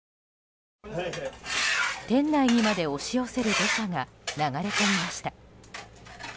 店内にまで押し寄せる土砂が流れ込みました。